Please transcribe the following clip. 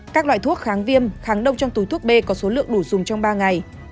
các loại thuốc kháng viêm kháng đông trong túi thuốc b có số lượng đủ dùng trong ba ngày